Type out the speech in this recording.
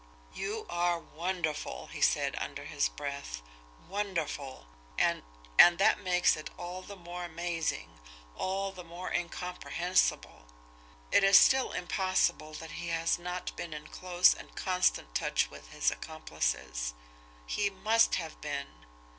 "You are wonderful!" he said, under his breath. "Wonderful! And and that makes it all the more amazing, all the more incomprehensible. It is still impossible that he has not been in close and constant touch with his accomplices. He MUST have been!